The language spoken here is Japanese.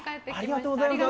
ありがとうございます。